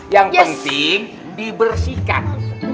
yang penting dibersihkan